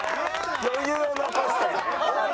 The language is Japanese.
余裕を残して。